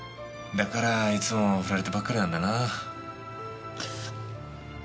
だからいつもフラれてばっかりなんだな。